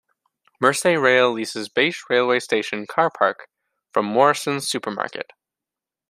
Merseyrail leases Bache railway station car park from Morrisons Supermarket.